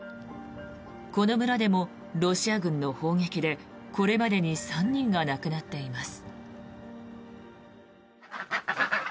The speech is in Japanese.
この村でもロシア軍の砲撃でこれまでに３人が亡くなっています。